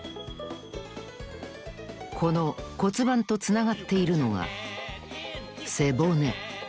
この骨盤とつながっているのが背骨。